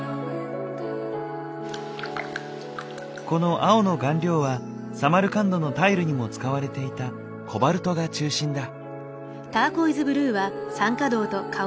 この青の顔料はサマルカンドのタイルにも使われていたコバルトが中心だ。